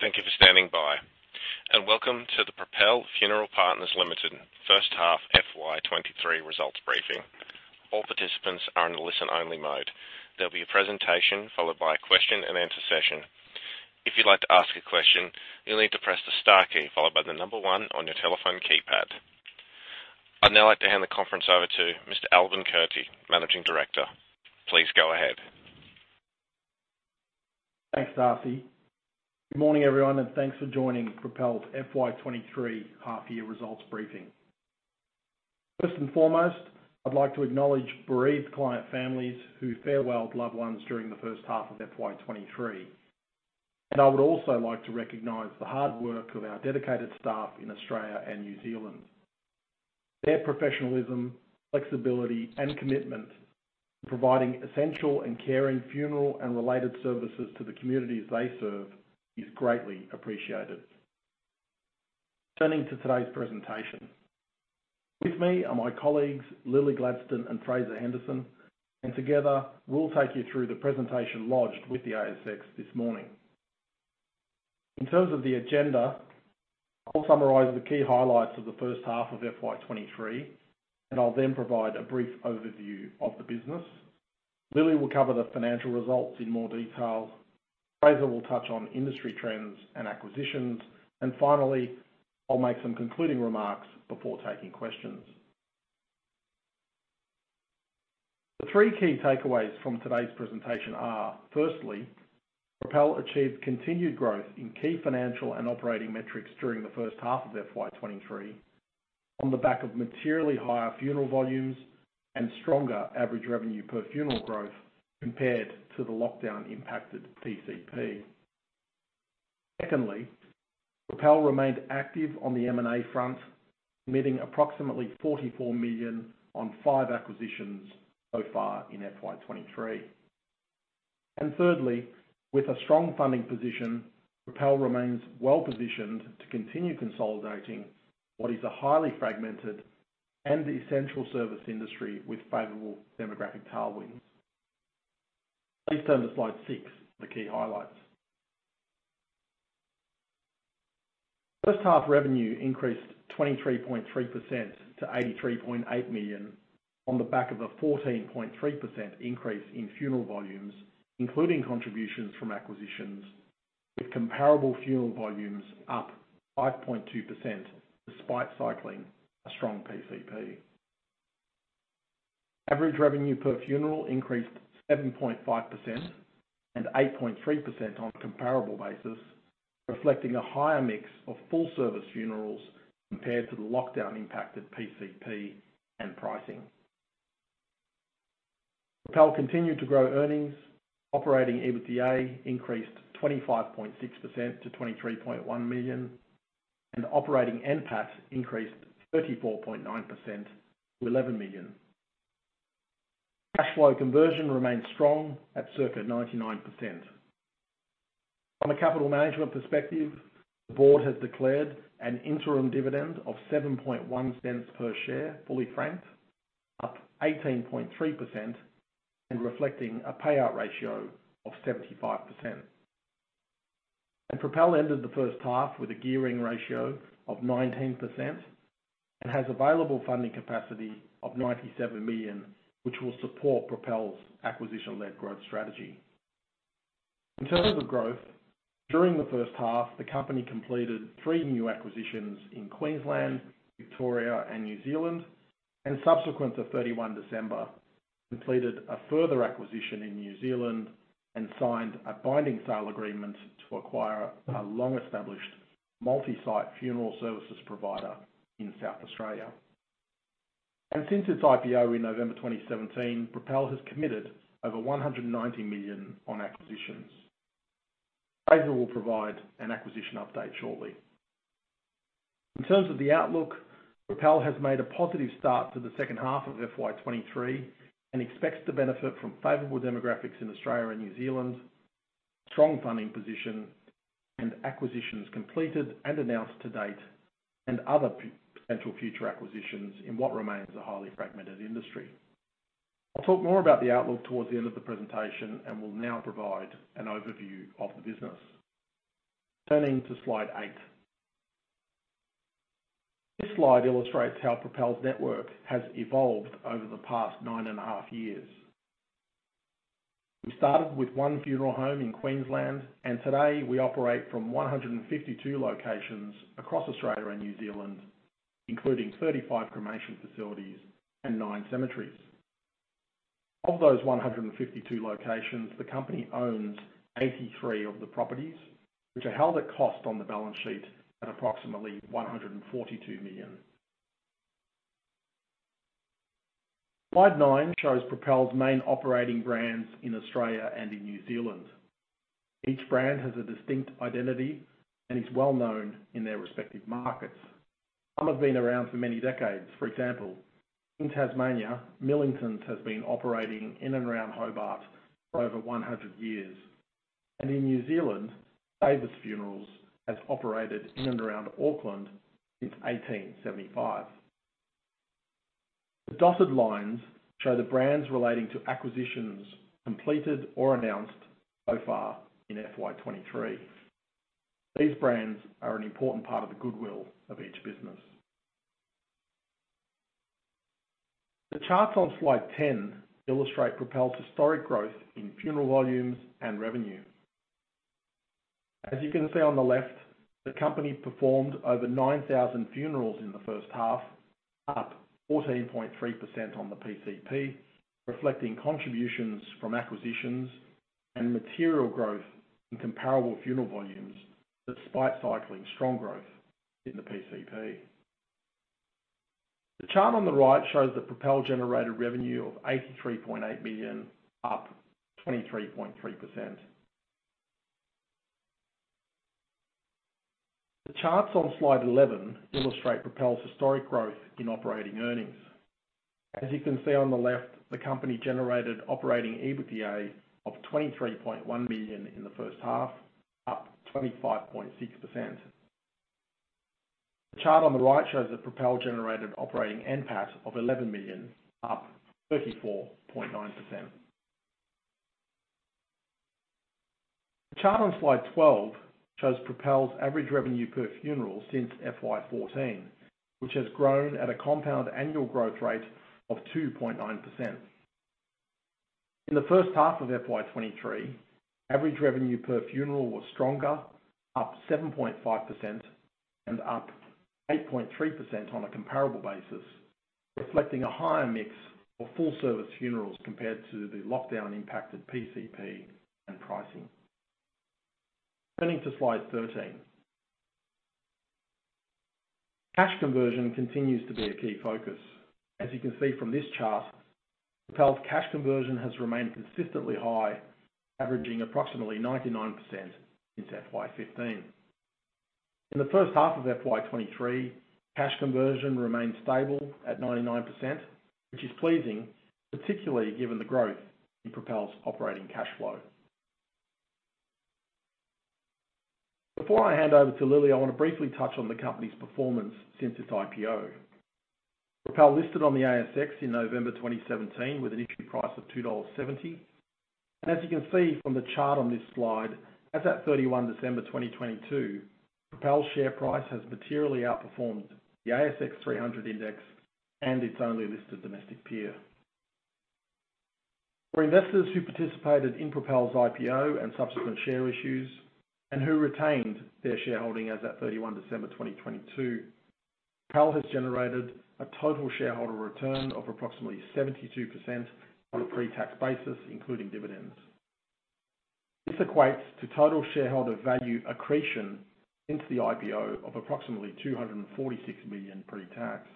Thank you for standing by, and welcome to the Propel Funeral Partners Limited first half FY 2023 results briefing. All participants are in listen-only mode. There'll be a presentation followed by a question-and-answer session. If you'd like to ask a question, you'll need to press the star key followed by the number one on your telephone keypad. I'd now like to hand the conference over to Mr. Albin Kurti, Managing Director. Please go ahead. Thanks, Darcy. Good morning, everyone, and thanks for joining Propel's FY 2023 half-year results briefing. First and foremost, I'd like to acknowledge bereaved client families who farewelled loved ones during the first half of FY 2023. I would also like to recognize the hard work of our dedicated staff in Australia and New Zealand. Their professionalism, flexibility, and commitment to providing essential and caring funeral and related services to the communities they serve is greatly appreciated. Turning to today's presentation. With me are my colleagues, Lilli Gladstone and Fraser Henderson, together we'll take you through the presentation lodged with the ASX this morning. In terms of the agenda, I'll summarize the key highlights of the first half of FY 2023, I'll then provide a brief overview of the business. Lilli will cover the financial results in more detail. Fraser will touch on industry trends and acquisitions. Finally, I'll make some concluding remarks before taking questions. The three key takeaways from today's presentation are, firstly, Propel achieved continued growth in key financial and operating metrics during the first half of FY 2023 on the back of materially higher funeral volumes and stronger average revenue per funeral growth compared to the lockdown-impacted PCP. Secondly, Propel remained active on the M&A front, committing approximately 44 million on five acquisitions so far in FY 2023. Thirdly, with a strong funding position, Propel remains well-positioned to continue consolidating what is a highly fragmented and essential service industry with favorable demographic tailwinds. Please turn to slide six for key highlights. First half revenue increased 23.3% to 83.8 million on the back of a 14.3% increase in funeral volumes, including contributions from acquisitions, with comparable funeral volumes up 5.2% despite cycling a strong PCP. Average revenue per funeral increased 7.5% and 8.3% on a comparable basis, reflecting a higher mix of full service funerals compared to the lockdown-impacted PCP and pricing. Propel continued to grow earnings. Operating EBITDA increased 25.6% to 23.1 million, and Operating NPAT increased 34.9% to 11 million. Cash flow conversion remains strong at circa 99%. From a capital management perspective, the board has declared an interim dividend of 0.071 per share, fully franked, up 18.3% and reflecting a payout ratio of 75%. Propel ended the first half with a gearing ratio of 19% and has available funding capacity of 97 million, which will support Propel's acquisition-led growth strategy. In terms of growth, during the first half, the company completed three new acquisitions in Queensland, Victoria, and New Zealand, and subsequent to 31 December, completed a further acquisition in New Zealand and signed a binding sale agreement to acquire a long-established multi-site funeral services provider in South Australia. Since its IPO in November 2017, Propel has committed over 190 million on acquisitions. Fraser will provide an acquisition update shortly. In terms of the outlook, Propel has made a positive start to the second half of FY 2023 and expects to benefit from favorable demographics in Australia and New Zealand, strong funding position, and acquisitions completed and announced to date, and other potential future acquisitions in what remains a highly fragmented industry. I'll talk more about the outlook towards the end of the presentation and will now provide an overview of the business. Turning to slide eight. This slide illustrates how Propel's network has evolved over the past 9.5 years. We started with one funeral home in Queensland, and today we operate from 152 locations across Australia and New Zealand, including 35 cremation facilities and nine cemeteries. Of those 152 locations, the company owns 83 of the properties, which are held at cost on the balance sheet at approximately 142 million. Slide nine shows Propel's main operating brands in Australia and in New Zealand. Each brand has a distinct identity and is well-known in their respective markets. Some have been around for many decades. For example, in Tasmania, Millingtons has been operating in and around Hobart for over 100 years. In New Zealand, Davis Funerals has operated in and around Auckland since 1875. The dotted lines show the brands relating to acquisitions completed or announced so far in FY 2023. These brands are an important part of the goodwill of each business. The charts on slide 10 illustrate Propel's historic growth in funeral volumes and revenue. As you can see on the left, the company performed over 9,000 funerals in the first half, up 14.3% on the PCP, reflecting contributions from acquisitions and material growth in comparable funeral volumes despite cycling strong growth in the PCP. The chart on the right shows that Propel generated revenue of 83.8 million, up 23.3%. The charts on slide 11 illustrate Propel's historic growth in operating earnings. As you can see on the left, the company generated Operating EBITDA of 23.1 million in the first half, up 25.6%. The chart on the right shows that Propel generated Operating NPAT of 11 million, up 34.9%. The chart on slide 12 shows Propel's average revenue per funeral since FY14, which has grown at a compound annual growth rate of 2.9%. In the first half of FY 2023, average revenue per funeral was stronger, up 7.5% and up 8.3% on a comparable basis, reflecting a higher mix of full service funerals compared to the lockdown impacted PCP and pricing. Turning to slide 13. Cash conversion continues to be a key focus. As you can see from this chart, Propel's cash conversion has remained consistently high, averaging approximately 99% since FY 2015. In the first half of FY 2023, cash conversion remained stable at 99%, which is pleasing, particularly given the growth in Propel's operating cash flow. Before I hand over to Lilli, I wanna briefly touch on the company's performance since its IPO. Propel listed on the ASX in November 2017 with an issue price of $2.70. As you can see from the chart on this slide, as at 31 December 2022, Propel's share price has materially outperformed the ASX 300 index and its only listed domestic peer. For investors who participated in Propel's IPO and subsequent share issues, and who retained their shareholding as at 31 December 2022, Propel has generated a total shareholder return of approximately 72% on a pre-tax basis, including dividends. This equates to total shareholder value accretion since the IPO of approximately 246 million pre-tax.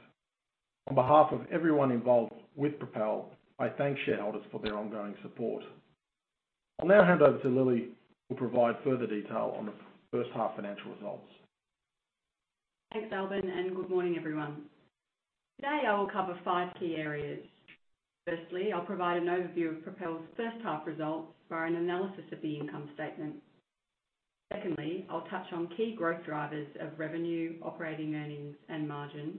On behalf of everyone involved with Propel, I thank shareholders for their ongoing support. I'll now hand over to Lilli, who will provide further detail on the first half financial results. Thanks, Albin, good morning, everyone. Today, I will cover five key areas. Firstly, I'll provide an overview of Propel's first half results via an analysis of the income statement. Secondly, I'll touch on key growth drivers of revenue, operating earnings, and margins.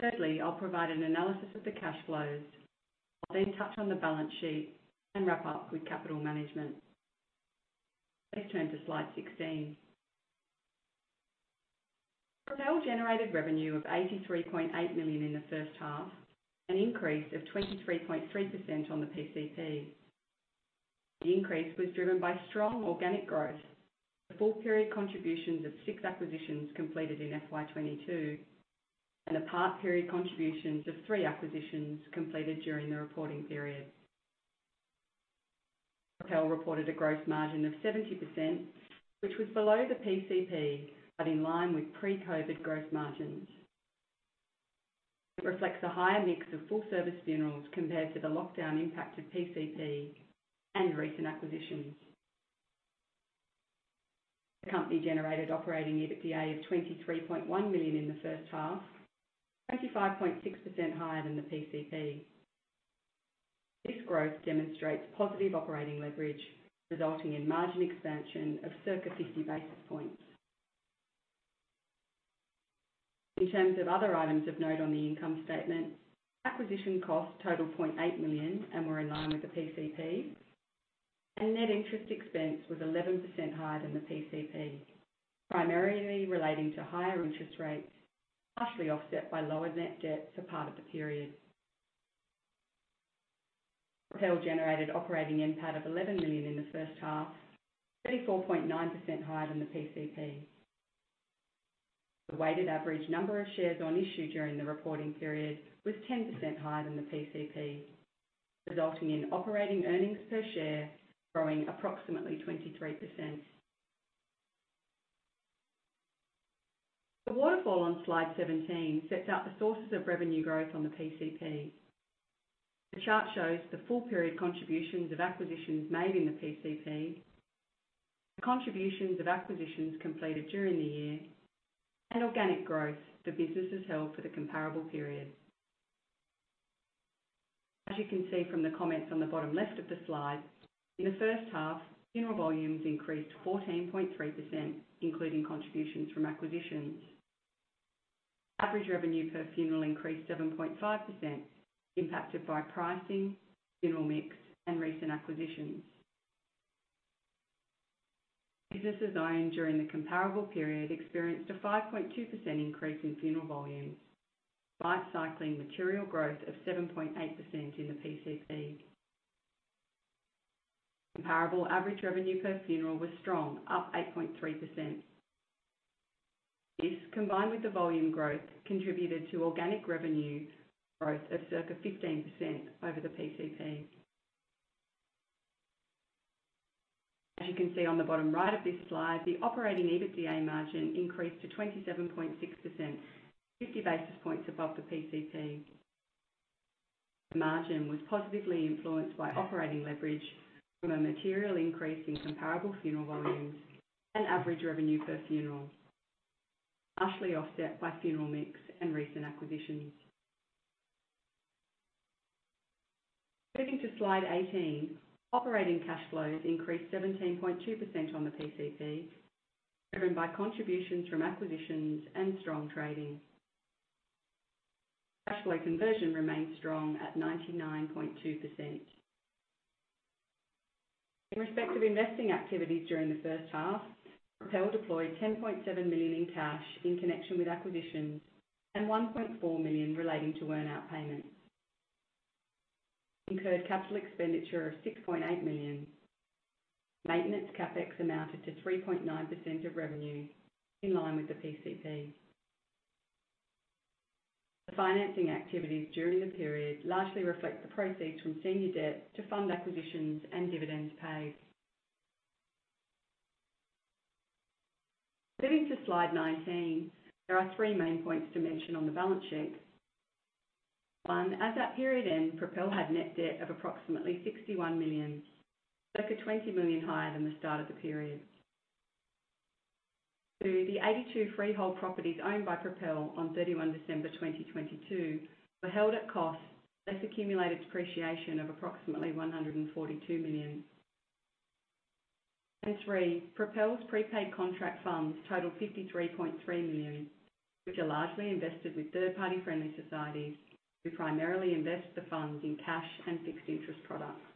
Thirdly, I'll provide an analysis of the cash flows. I'll touch on the balance sheet and wrap up with capital management. Please turn to slide 16. Propel generated revenue of 83.8 million in the first half, an increase of 23.3% on the PCP. The increase was driven by strong organic growth, the full period contributions of 6 acquisitions completed in FY 2022, and the part period contributions of three acquisitions completed during the reporting period. Propel reported a Gross Margin of 70%, which was below the PCP, but in line with pre-COVID gross margins. It reflects a higher mix of full service funerals compared to the lockdown impact of PCP and recent acquisitions. The company generated operating EBITDA of 23.1 million in the first half, 25.6% higher than the PCP. This growth demonstrates positive operating leverage, resulting in margin expansion of circa 50 basis points. In terms of other items of note on the income statement, acquisition costs total 0.8 million and were in line with the PCP. Net interest expense was 11% higher than the PCP, primarily relating to higher interest rates, partially offset by lower net debt for part of the period. Propel generated operating NPAT of 11 million in the first half, 34.9% higher than the PCP. The weighted average number of shares on issue during the reporting period was 10% higher than the PCP, resulting in operating earnings per share growing approximately 23%. The waterfall on slide 17 sets out the sources of revenue growth on the PCP. The chart shows the full period contributions of acquisitions made in the PCP, the contributions of acquisitions completed during the year, and organic growth the business has held for the comparable period. You can see from the comments on the bottom left of the slide, in the first half, funeral volumes increased 14.3%, including contributions from acquisitions. Average revenue per funeral increased 7.5%, impacted by pricing, funeral mix, and recent acquisitions. Businesses owned during the comparable period experienced a 5.2% increase in funeral volumes, life cycling material growth of 7.8% in the PCP. Comparable average revenue per funeral was strong, up 8.3%. This, combined with the volume growth, contributed to organic revenue growth of circa 15% over the PCP. As you can see on the bottom right of this slide, the Operating EBITDA margin increased to 27.6%, 50 basis points above the PCP. Margin was positively influenced by operating leverage from a material increase in comparable funeral volumes and average revenue per funeral, partially offset by funeral mix and recent acquisitions. Moving to slide 18. Operating cash flows increased 17.2% on the PCP, driven by contributions from acquisitions and strong trading. Cash flow conversion remained strong at 99.2%. In respect of investing activities during the first half, Propel deployed 10.7 million in cash in connection with acquisitions and 1.4 million relating to earn-out payments. Incurred capital expenditure of 6.8 million. Maintenance CapEx amounted to 3.9% of revenue, in line with the PCP. The financing activities during the period largely reflect the proceeds from senior debt to fund acquisitions and dividends paid. Moving to slide 19. There are three main points to mention on the balance sheet. One, as at period end, Propel had net debt of approximately 61 million, circa 20 million higher than the start of the period. Two, the 82 freehold properties owned by Propel on 31 December 2022 were held at cost, less accumulated depreciation of approximately 142 million. Three, Propel's prepaid contract funds total 53.3 million, which are largely invested with third-party friendly societies, who primarily invest the funds in cash and fixed interest products.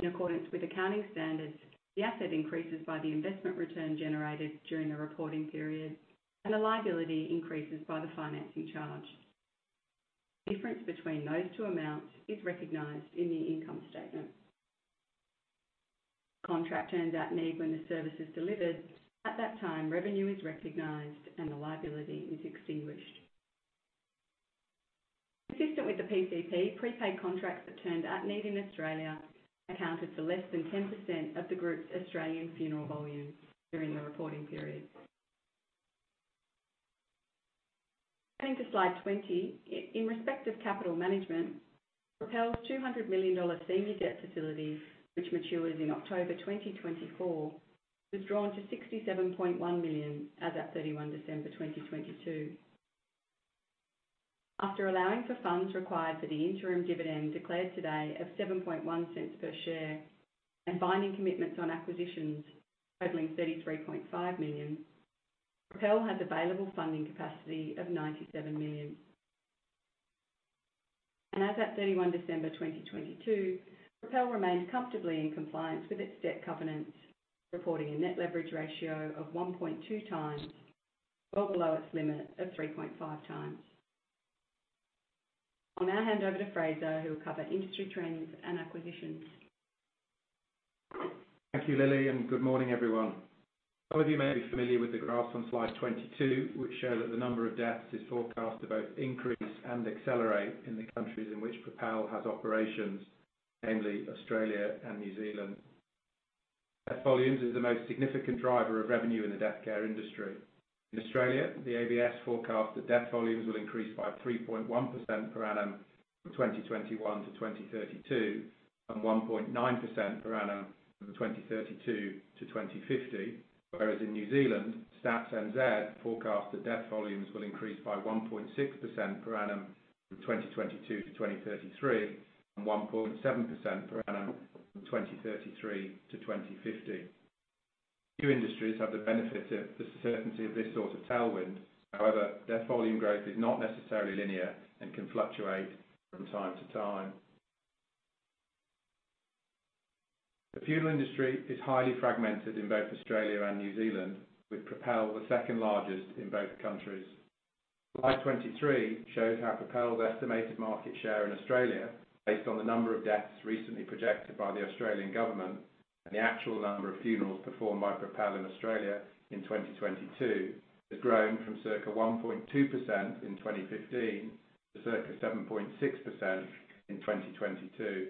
In accordance with accounting standards, the asset increases by the investment return generated during the reporting period, and the liability increases by the financing charge. The difference between those two amounts is recognized in the income statement. Contract earned at need when the service is delivered. At that time, revenue is recognized and the liability is extinguished. Consistent with the PCP, prepaid contracts that turned at need in Australia accounted for less than 10% of the group's Australian funeral volumes during the reporting period. Going to slide 20. In respect of capital management, Propel's 200 million dollar senior debt facility, which matures in October 2024, was drawn to 67.1 million as at 31 December 2022. After allowing for funds required for the interim dividend declared today of 0.071 per share and binding commitments on acquisitions totaling 33.5 million, Propel has available funding capacity of 97 million. As at 31 December 2022, Propel remains comfortably in compliance with its debt covenants, reporting a net leverage ratio of 1.2 times, well below its limit of 3.5 times. I'll now hand over to Fraser, who will cover industry trends and acquisitions. Thank you, Lilli. Good morning, everyone. Some of you may be familiar with the graphs on slide 22, which show that the number of deaths is forecast to both increase and accelerate in the countries in which Propel has operations, namely Australia and New Zealand. Death volumes is the most significant driver of revenue in the death care industry. In Australia, the ABS forecasts that death volumes will increase by 3.1% per annum from 2021 to 2032, and 1.9% per annum from 2032 to 2050. Whereas in New Zealand, Stats NZ forecast that death volumes will increase by 1.6% per annum from 2022 to 2033, and 1.7% per annum from 2033 to 2050. Few industries have the benefit of the certainty of this sort of tailwind. Death volume growth is not necessarily linear and can fluctuate from time to time. The funeral industry is highly fragmented in both Australia and New Zealand, with Propel the second largest in both countries. Slide 23 shows how Propel's estimated market share in Australia, based on the number of deaths recently projected by the Australian government and the actual number of funerals performed by Propel in Australia in 2022, has grown from circa 1.2% in 2015 to circa 7.6% in 2022.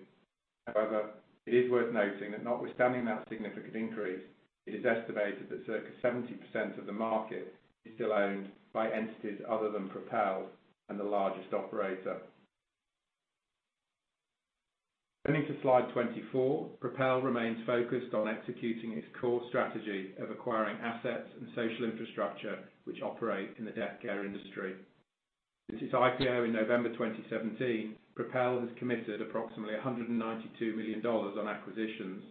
It is worth noting that notwithstanding that significant increase, it is estimated that circa 70% of the market is still owned by entities other than Propel and the largest operator. Turning to slide 24, Propel remains focused on executing its core strategy of acquiring assets and social infrastructure which operate in the death care industry. Since its IPO in November 2017, Propel has committed approximately 192 million dollars on acquisitions.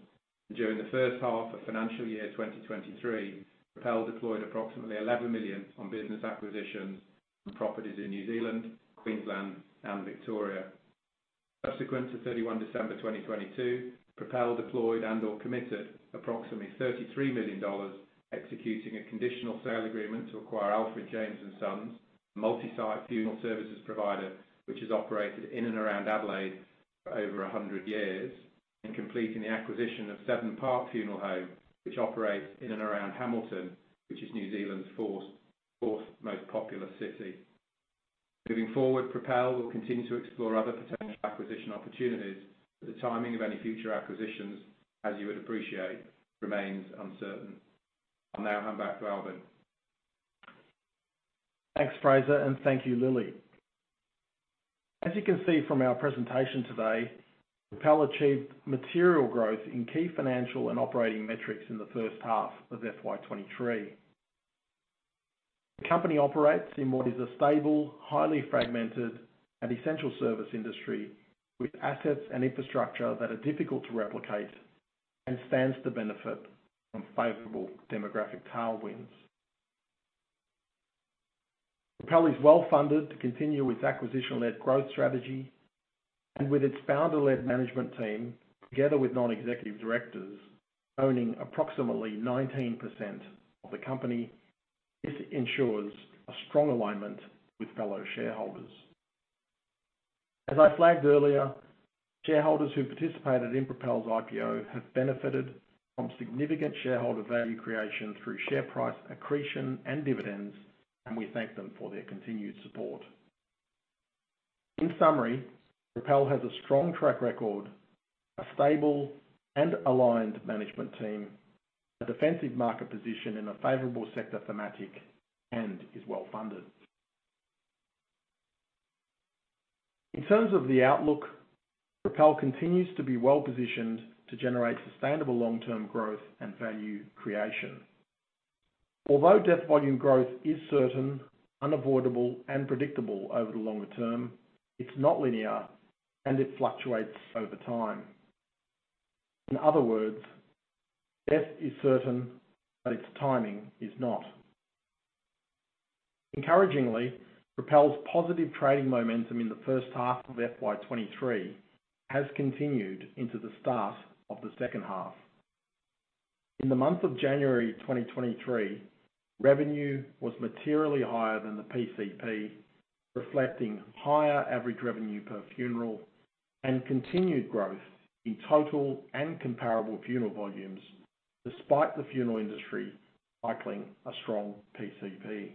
During the first half of financial year 2023, Propel deployed approximately 11 million on business acquisitions on properties in New Zealand, Queensland and Victoria. Subsequent to 31 December 2022, Propel deployed and or committed approximately 33 million dollars executing a conditional sale agreement to acquire Alfred James & Sons, a multi-site funeral services provider, which has operated in and around Adelaide for over 100 years, and completing the acquisition of Seddon Park Funeral Home, which operates in and around Hamilton, which is New Zealand's fourth most populous city. Moving forward, Propel will continue to explore other potential acquisition opportunities. The timing of any future acquisitions, as you would appreciate, remains uncertain. I'll now hand back to Albin. Thanks, Fraser, thank you, Lilli. As you can see from our presentation today, Propel achieved material growth in key financial and operating metrics in the first half of FY 2023. The company operates in what is a stable, highly fragmented and essential service industry with assets and infrastructure that are difficult to replicate and stands to benefit from favorable demographic tailwinds. Propel is well-funded to continue its acquisition-led growth strategy and with its founder-led management team, together with non-executive directors owning approximately 19% of the company, this ensures a strong alignment with fellow shareholders. As I flagged earlier, shareholders who participated in Propel's IPO have benefited from significant shareholder value creation through share price accretion and dividends, we thank them for their continued support. In summary, Propel has a strong track record, a stable and aligned management team, a defensive market position in a favorable sector thematic, and is well-funded. In terms of the outlook, Propel continues to be well-positioned to generate sustainable long-term growth and value creation. Although death volume growth is certain, unavoidable, and predictable over the longer term, it's not linear, and it fluctuates over time. In other words, death is certain, but its timing is not. Encouragingly, Propel's positive trading momentum in the first half of FY 2023 has continued into the start of the second half. In the month of January 2023, revenue was materially higher than the PCP, reflecting higher average revenue per funeral and continued growth in total and comparable funeral volumes despite the funeral industry cycling a strong PCP.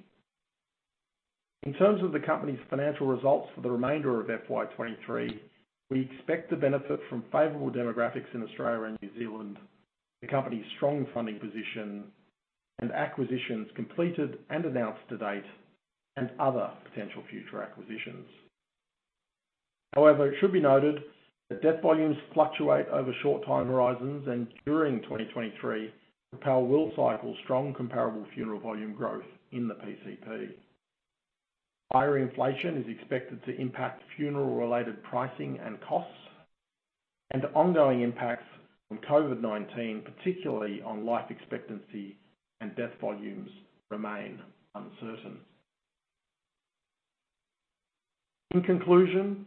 In terms of the company's financial results for the remainder of FY 2023, we expect to benefit from favorable demographics in Australia and New Zealand, the company's strong funding position and acquisitions completed and announced to date, and other potential future acquisitions. However, it should be noted that death volumes fluctuate over short time horizons, and during 2023, Propel will cycle strong comparable funeral volume growth in the PCP. Higher inflation is expected to impact funeral-related pricing and costs, and the ongoing impacts from COVID-19, particularly on life expectancy and death volumes, remain uncertain. In conclusion,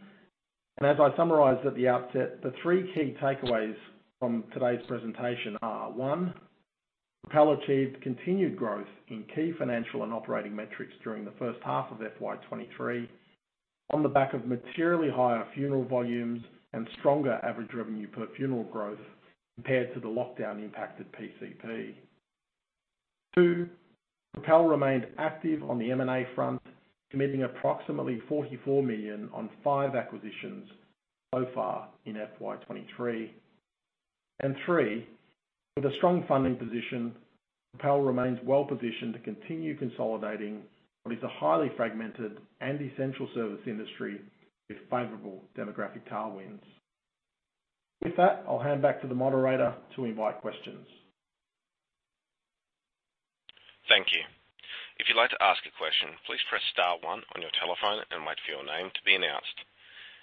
and as I summarized at the outset, the three key takeaways from today's presentation are, one, Propel achieved continued growth in key financial and operating metrics during the first half of FY 2023 on the back of materially higher funeral volumes and stronger average revenue per funeral growth compared to the lockdown-impacted PCP. Two, Propel remained active on the M&A front, committing approximately 44 million on five acquisitions so far in FY 2023. Three, with a strong funding position, Propel remains well-positioned to continue consolidating what is a highly fragmented and essential service industry with favorable demographic tailwinds. With that, I'll hand back to the moderator to invite questions. Thank you. If you'd like to ask a question, please press star one on your telephone and wait for your name to be announced.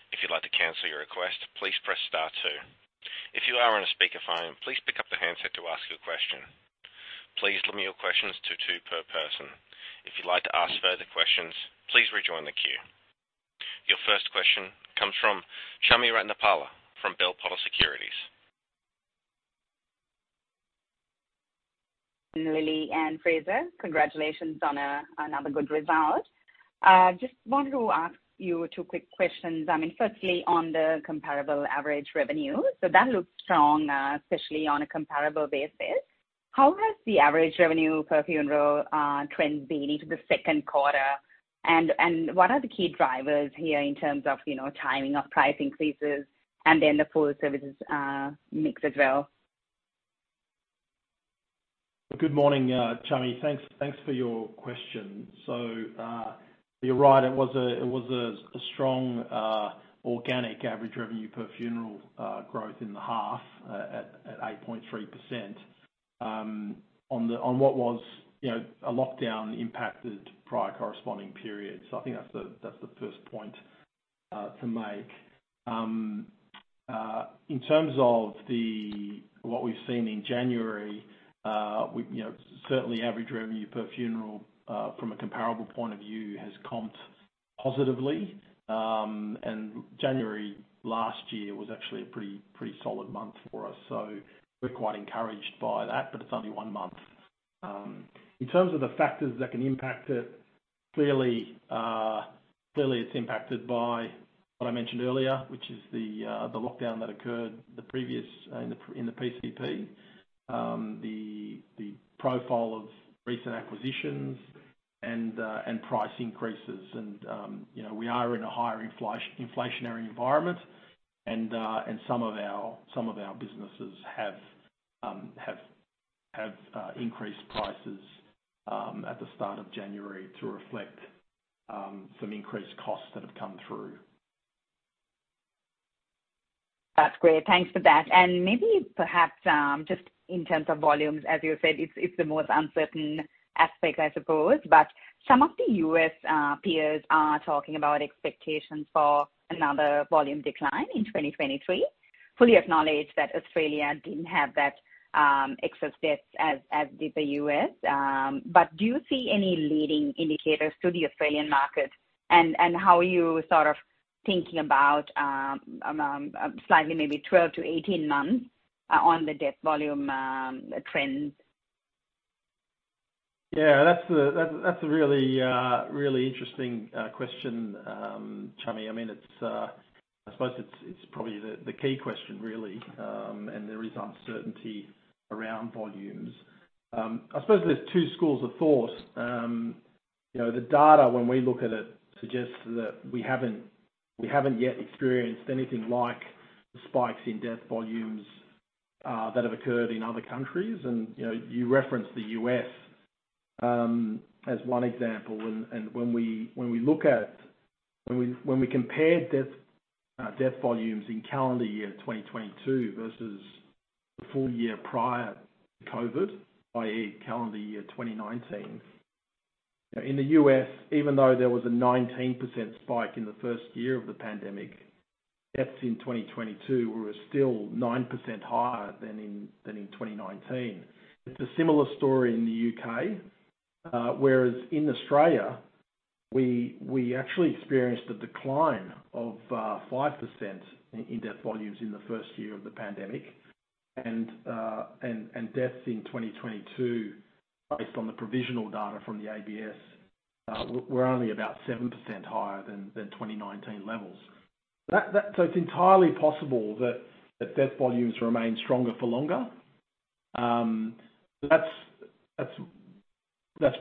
If you'd like to cancel your request, please press star two. If you are on a speakerphone, please pick up the handset to ask your question. Please limit your questions to two per person. If you'd like to ask further questions, please rejoin the queue. Your first question comes from Chami Ratnapala from Bell Potter Securities. Lilli and Fraser, congratulations on another good result. Just wanted to ask you two quick questions. I mean, firstly, on the comparable average revenue. That looks strong, especially on a comparable basis. How has the average revenue per funeral trends been into the second quarter? What are the key drivers here in terms of, you know, timing of price increases and then the full services mix as well? Good morning, Chami. Thanks for your question. You're right, it was a strong organic average revenue per funeral growth in the half at 8.3% on what was, you know, a lockdown impacted prior corresponding period. I think that's the first point to make. In terms of what we've seen in January, we, you know, certainly average revenue per funeral from a comparable point of view, has comped positively. January last year was actually a pretty solid month for us. We're quite encouraged by that, but it's only one month. In terms of the factors that can impact it, clearly it's impacted by what I mentioned earlier, which is the lockdown that occurred the previous in the PCP, the profile of recent acquisitions and price increases. You know, we are in a higher inflationary environment and some of our businesses have increased prices at the start of January to reflect some increased costs that have come through. That's great. Thanks for that. Maybe perhaps, just in terms of volumes, as you said, it's the most uncertain aspect, I suppose, but some of the U.S. peers are talking about expectations for another volume decline in 2023. Fully acknowledge that Australia didn't have that excess deaths as did the U.S. But do you see any leading indicators to the Australian market? How are you sort of thinking about, slightly maybe 12-18 months, on the death volume, trends? Yeah, that's a really interesting question, Chami. I mean, it's, I suppose it's probably the key question really. There is uncertainty around volumes. I suppose there's two schools of thought. You know, the data when we look at it suggests that we haven't yet experienced anything like the spikes in death volumes that have occurred in other countries. You know, you referenced the US as one example. When we, when we compare death volumes in calendar year 2022 versus the full-year prior to COVID, i.e, calendar year 2019. In the U.S., even though there was a 19% spike in the first year of the pandemic, deaths in 2022 were still 9% higher than in 2019. It's a similar story in the U.K., whereas in Australia, we actually experienced a decline of 5% in death volumes in the first year of the pandemic. Deaths in 2022, based on the provisional data from the ABS, were only about 7% higher than 2019 levels. That it's entirely possible that death volumes remain stronger for longer. That's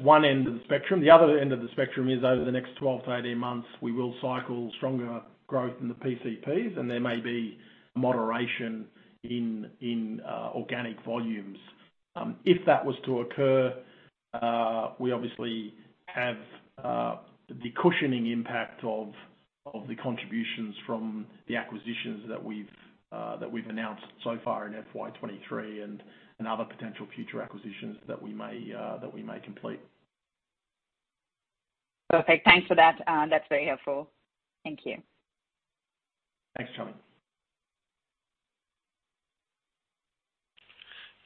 one end of the spectrum. The other end of the spectrum is over the next 12-18 months, we will cycle stronger growth in the PCPs, and there may be moderation in organic volumes. If that was to occur, we obviously have the cushioning impact of the contributions from the acquisitions that we've announced so far in FY 2023 and other potential future acquisitions that we may complete. Perfect. Thanks for that. That's very helpful. Thank you. Thanks, Chami.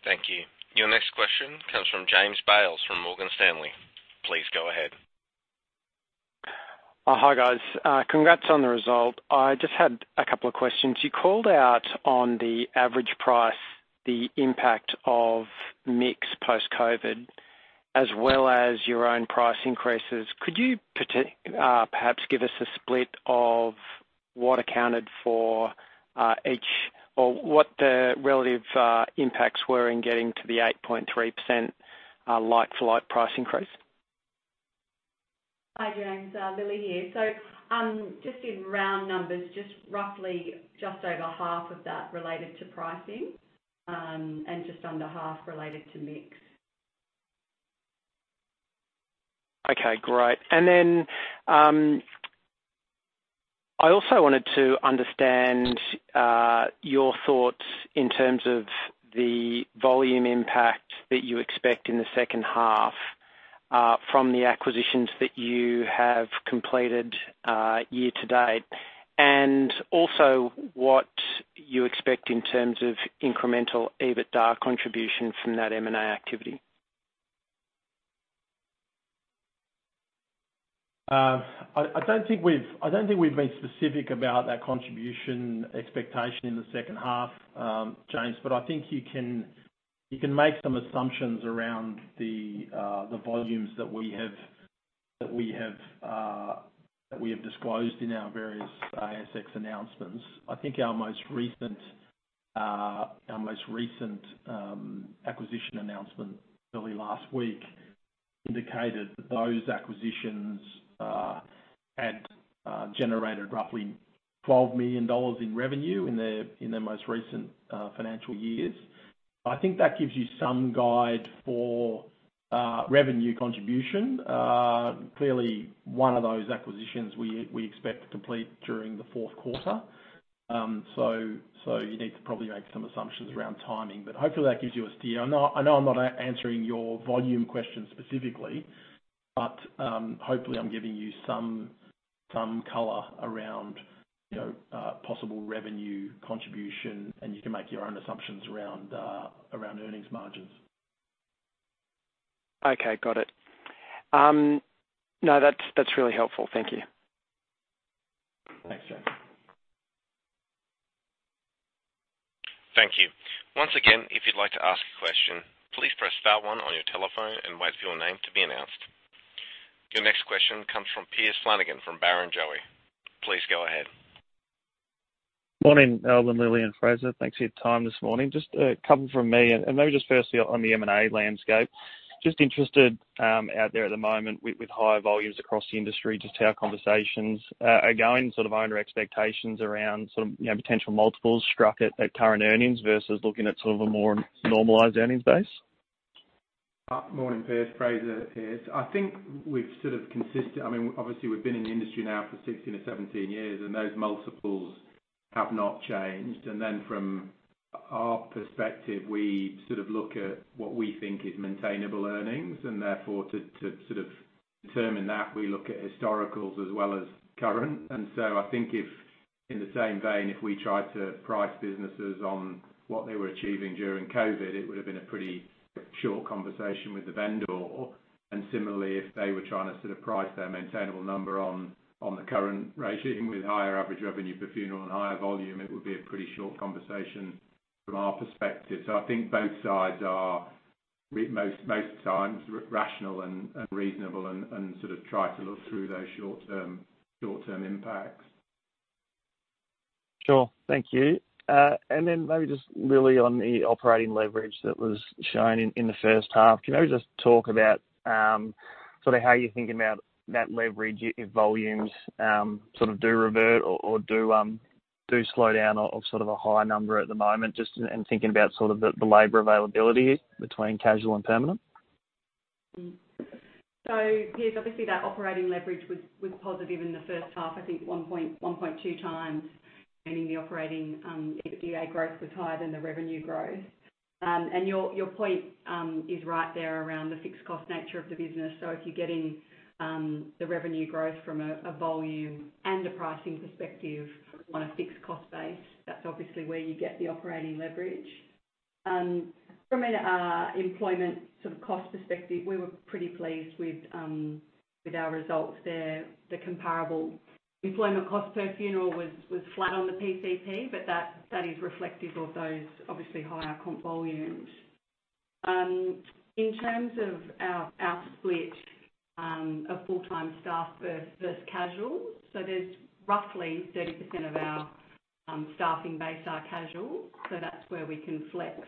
Thank you. Your next question comes from James Belsey from Morgan Stanley. Please go ahead. Hi, guys. Congrats on the result. I just had a couple of questions. You called out on the average price, the impact of mix post-COVID, as well as your own price increases. Could you perhaps give us a split of what accounted for each or what the relative impacts were in getting to the 8.3% like-for-like price increase? Hi, James, Lilli here. Just in round numbers, just roughly just over half of that related to pricing, and just under half related to mix. Okay, great. I also wanted to understand your thoughts in terms of the volume impact that you expect in the second half from the acquisitions that you have completed year to date, and also what you expect in terms of incremental operating EBITDA contribution from that M&A activity. I don't think we've been specific about that contribution expectation in the second half, James. I think you can make some assumptions around the volumes that we have disclosed in our various ASX announcements. I think our most recent acquisition announcement early last week indicated that those acquisitions had generated roughly 12 million dollars in revenue in their most recent financial years. I think that gives you some guide for revenue contribution. Clearly, one of those acquisitions we expect to complete during the fourth quarter. You need to probably make some assumptions around timing, but hopefully, that gives you a steer. I know I'm not answering your volume question specifically, but hopefully, I'm giving you some color around, you know, possible revenue contribution, and you can make your own assumptions around earnings margins. Okay, got it. No, that's really helpful. Thank you. Thanks, James. Thank you. Once again, if you'd like to ask a question, please press star one on your telephone and wait for your name to be announced. Your next question comes from Piers Flanagan from Barrenjoey. Please go ahead. Morning, Albin, Lilli, and Fraser. Thanks for your time this morning. Just a couple from me. Maybe just firstly on the M&A landscape. Just interested out there at the moment with higher volumes across the industry, just how conversations are going, sort of owner expectations around sort of, you know, potential multiples struck at current earnings versus looking at sort of a more normalized earnings base. Morning, Piers. Fraser. I think we've sort of I mean, obviously, we've been in the industry now for 16-17 years, and those multiples have not changed. From our perspective, we sort of look at what we think is maintainable earnings and therefore to sort of determine that, we look at historicals as well as current. I think if, in the same vein, if we try to price businesses on what they were achieving during COVID-19, it would've been a pretty short conversation with the vendor. Similarly, if they were trying to sort of price their maintainable number on the current rating with higher average revenue per funeral and higher volume, it would be a pretty short conversation from our perspective. I think both sides are most of the time, rational and reasonable and sort of try to look through those short-term impacts. Sure. Thank you. Maybe just, Lilli, on the operating leverage that was shown in the first half. Can you just talk about sort of how you're thinking about that leverage if volumes sort of do revert or do slow down of sort of a high number at the moment, just and thinking about sort of the labor availability between casual and permanent? Yes, obviously, that operating leverage was positive in the first half. I think 1.2 times, meaning the operating EBITDA growth was higher than the revenue growth. And your point is right there around the fixed cost nature of the business. If you're getting the revenue growth from a volume and a pricing perspective on a fixed cost base, that's obviously where you get the operating leverage. From an employment sort of cost perspective, we were pretty pleased with our results there. The comparable employment cost per funeral was flat on the PCP, but that is reflective of those obviously higher comp volumes. In terms of our split of full-time staff versus casual, there's roughly 30% of our staffing base are casual, that's where we can flex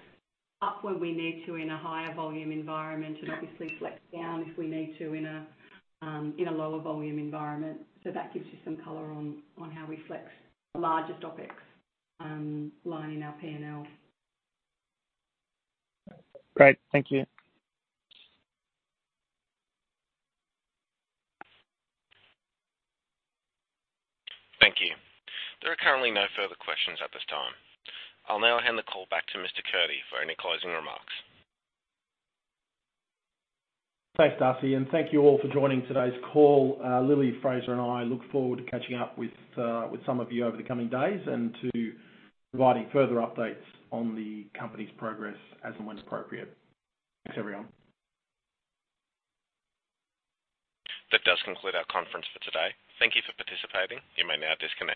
up when we need to in a higher volume environment and obviously flex down if we need to in a lower volume environment. That gives you some color on how we flex the largest opex line in our P&L. Great. Thank you. Thank you. There are currently no further questions at this time. I'll now hand the call back to Mr. Kurti for any closing remarks. Thanks, Darcy, and thank you all for joining today's call. Lilli, Fraser, and I look forward to catching up with some of you over the coming days and to providing further updates on the company's progress as and when appropriate. Thanks, everyone. That does conclude our conference for today. Thank you for participating. You may now disconnect.